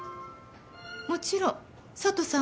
もちろん佐都さんもね。